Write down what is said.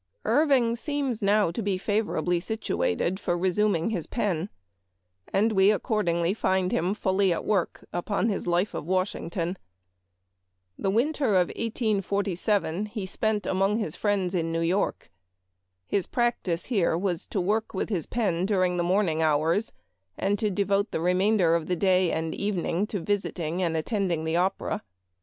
Irving seems now to be favorably situated for resuming his pen, and we accordingly find him fully at work upon his " Life of Washington." The winter of 1847 he spent among his friends in New York. His practice here was to work with his pen during the morning hours, and de vote the remainder of the day and evening to visiting and attending the opera.